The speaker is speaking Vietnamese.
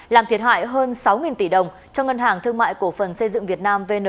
làm thiệt hại hơn sáu tỷ đồng cho ngân hàng thương mại cổ phần xây dựng việt nam vn